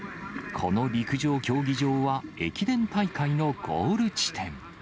この陸上競技場は、駅伝大会のゴール地点。